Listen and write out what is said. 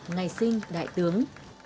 ngày sinh đại tướng